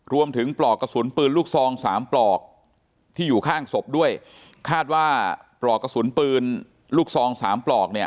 ปลอกกระสุนปืนลูกซองสามปลอกที่อยู่ข้างศพด้วยคาดว่าปลอกกระสุนปืนลูกซองสามปลอกเนี่ย